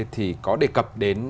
thì có đề cập đến